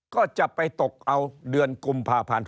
ก็จะไปตกเอาเดือนกุมภาพันธ์